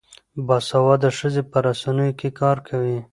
باسواده ښځې په رسنیو کې کار کوي.